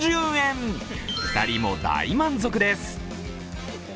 ２人も大満足です。